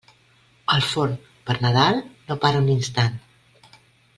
El forn, per Nadal, no para un instant.